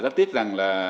rất tiếc rằng là